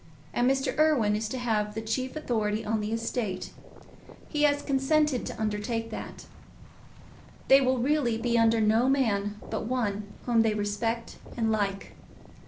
And Mr. Irwine is to have the chief authority on the estate—he has consented to undertake that. They will really be under no man but one whom they respect and like.